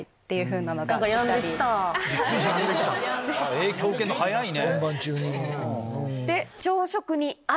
影響受けんの早いね。